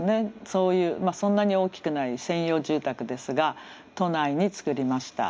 そういうそんなに大きくない専用住宅ですが都内に作りました。